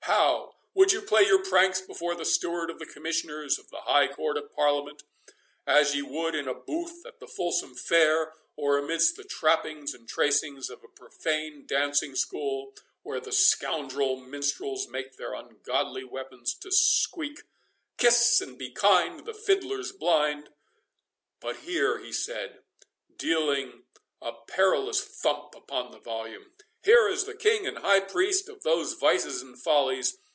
—How— would you play your pranks before the steward of the Commissioners of the High Court of Parliament, as ye would in a booth at the fulsome fair, or amidst the trappings and tracings of a profane dancing school, where the scoundrel minstrels make their ungodly weapons to squeak, 'Kiss and be kind, the fiddler's blind?'—But here," he said, dealing a perilous thump upon the volume—"Here is the King and high priest of those vices and follies!